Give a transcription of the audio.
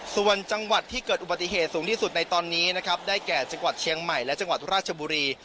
ส่วนจังหวัดที่เกิดอุบัติเหตุสูงที่สุดในตอนนี้นะครับได้แก่จังหวัดเชียงใหม่และจังหวัดราชบุรี